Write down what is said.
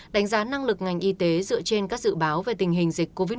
đánh giá năng lực ngành y tế dựa trên các dự báo về tình hình dịch covid một mươi chín